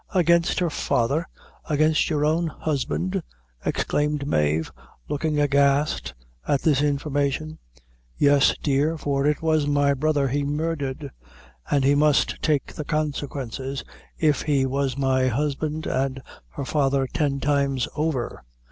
"Against her father! against your own husband!" exclaimed Mave, looking aghast at this information. "Yes, dear; for it was my brother he murdhered an' he must take the consequences, if he was my husband and her father ten times over.